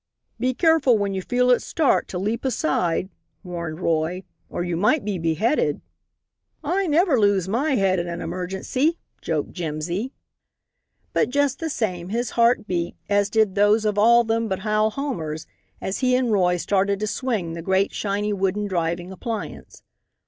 "Be careful when you feel it start, to leap aside," warned Roy, "or you might be beheaded." "I never lose my head in an emergency," joked Jimsy. But just the same his heart beat, as did those of all of them but Hal Homer's, as he and Roy started to swing the great shiny wooden driving appliance.